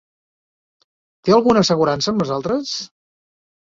Té alguna assegurança amb nosaltres?